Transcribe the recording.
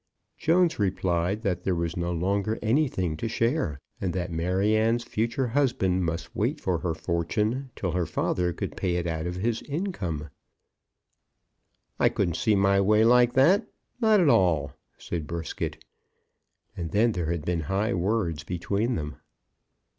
Jones replied that there was no longer anything to share, and that Maryanne's future husband must wait for her fortune till her father could pay it out of his income. "I couldn't see my way like that; not at all," said Brisket. And then there had been high words between them.